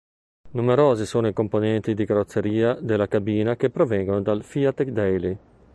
Numerosi sono i componenti di carrozzeria della cabina che provengono dal Fiat Daily.